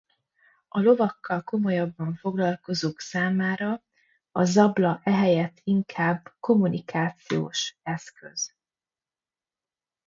A lovakkal komolyabban foglalkozók számára a zabla ehelyett inkább kommunikációs eszköz.